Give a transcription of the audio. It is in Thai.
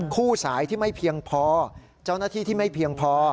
คู่สายที่ไม่เพียงพอเจ้าหน้าที่ที่ไม่เพียงพอ